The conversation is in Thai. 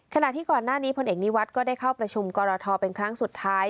ขณะที่ก่อนหน้านี้พลเอกนิวัฒน์ก็ได้เข้าประชุมกรทเป็นครั้งสุดท้าย